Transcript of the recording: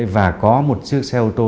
và có một chiếc xe ô tô